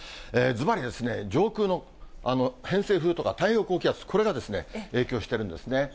ずばり、上空の偏西風とか太平洋高気圧、これが影響してるんですね。